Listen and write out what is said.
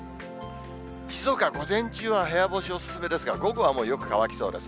静岡、午前中は部屋干しお勧めですが、午後はよく乾きそうです。